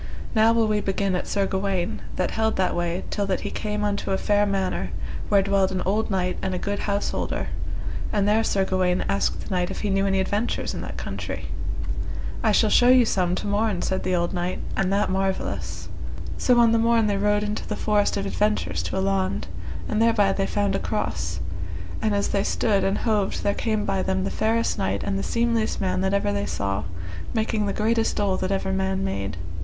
Now will we begin at Sir Gawaine, that held that way till that he came unto a fair manor, where dwelled an old knight and a good householder, and there Sir Gawaine asked the knight if he knew any adventures in that country. I shall show you some to morn, said the old knight, and that marvellous. So, on the morn they rode into the forest of adventures to a laund, and thereby they found a cross, and as they stood and hoved there came by them the fairest knight and the seemliest man that ever they saw, making the greatest dole that ever man made.